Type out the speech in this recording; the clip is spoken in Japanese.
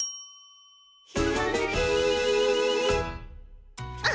「ひらめき」あっ！